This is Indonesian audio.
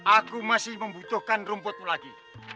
aku masih membutuhkan rumputmu lagi